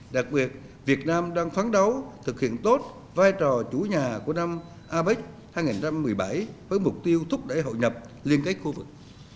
đặc biệt việt nam đang phán đấu thực hiện tốt vai trò chủ nhà của năm apec hai nghìn một mươi bảy với mục tiêu thúc đẩy hội nhập liên kết khu vực